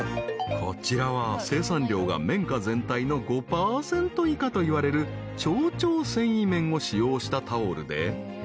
［こちらは生産量が綿花全体の５％以下といわれる超長繊維綿を使用したタオルで］